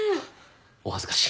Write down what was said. お恥ずかしい。